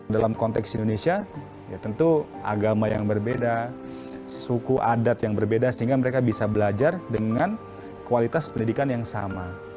dalam konteks indonesia ya tentu agama yang berbeda suku adat yang berbeda sehingga mereka bisa belajar dengan kualitas pendidikan yang sama